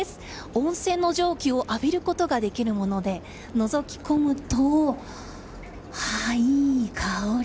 温泉の蒸気を浴びることができるというものでのぞき込むと、あー、いい香り。